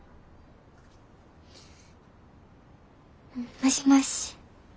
もしもし。